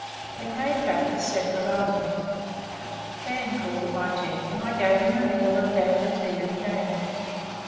They came back as separate items. Dan called at my tent, and I gave him a meal of damper, tea, and jam.